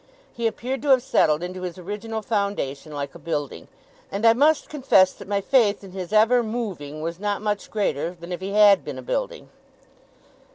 He appeared to have settled into his original foundation, like a building; and I must confess that my faith in his ever Moving, was not much greater than if he had been a building.